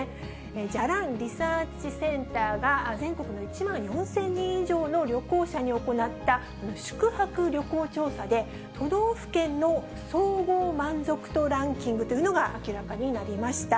じゃらんリサーチセンターが、全国の１万４０００人以上の旅行者に行った、宿泊旅行調査で、都道府県の総合満足度ランキングというのが明らかになりました。